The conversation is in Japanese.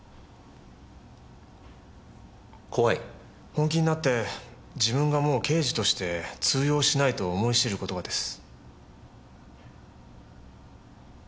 本気になって自分がもう刑事として通用しないと思い知る事がです。